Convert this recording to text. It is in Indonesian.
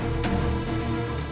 acum udah pak